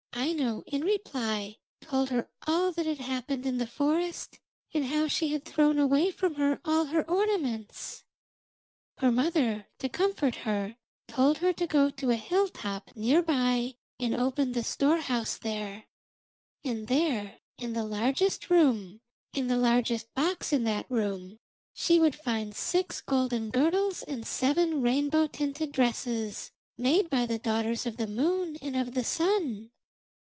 Aino, in reply, told her all that had happened in the forest, and how she had thrown away from her all her ornaments. Her mother, to comfort her, told her to go to a hill top near by and open the storehouse there, and there in the largest room, in the largest box in that room, she would find six golden girdles and seven rainbow tinted dresses, made by the daughters of the Moon and of the Sun.